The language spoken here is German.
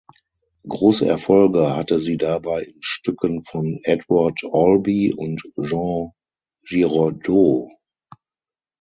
Große Erfolge hatte sie dabei in Stücken von Edward Albee und Jean Giraudoux.